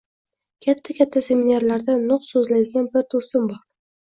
Katta-katta seminarlarda nutq so’zlaydigan bir do’stim bor